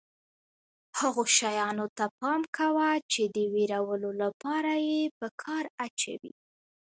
هغو شیانو ته پام کوه چې د وېرولو لپاره یې په کار اچوي.